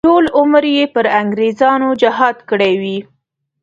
چې ټول عمر یې پر انګریزانو جهاد کړی وي.